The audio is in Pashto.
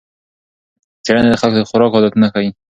څېړنه د خلکو د خوراک عادتونه ښيي.